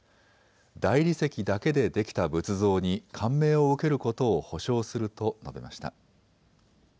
大理石だけでできた仏像に感銘を受けることを保証すると述べました。